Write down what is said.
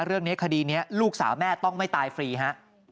เรื่องนี้คดีนี้ลูกสาวแม่ต้องไม่ตายฟรีฮะ